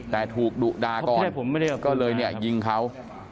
แต่ถูกดุด่าก่อนก็เลยเนี่ยยิงเขา